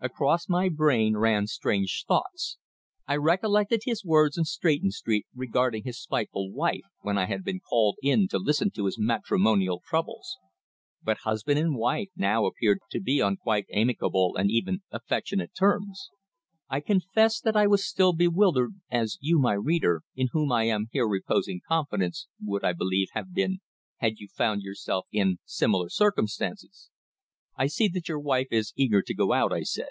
Across my brain ran strange thoughts. I recollected his words in Stretton Street regarding his spiteful wife when I had been called in to listen to his matrimonial troubles. But husband and wife now appeared to be on quite amicable and even affectionate terms. I confess that I was still bewildered, as you, my reader, in whom I am here reposing confidence, would, I believe, have been, had you found yourself in similar circumstances. "I see that your wife is eager to go out," I said.